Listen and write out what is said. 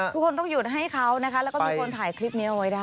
ทุกคนต้องหยุดให้เขานะคะแล้วก็มีคนถ่ายคลิปนี้เอาไว้ได้